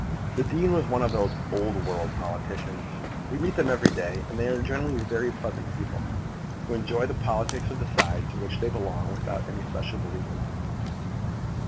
The dean was one of those old world politicians, we meet them every day, and they are generally pleasant people, who enjoy the politics of the side to which they belong without any special belief in them.